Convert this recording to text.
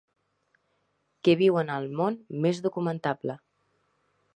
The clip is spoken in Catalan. Que viuen al món més documentable.